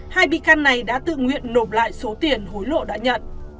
hai bị can này đã tự nguyện nộp lại số tiền hối lộ đã nhận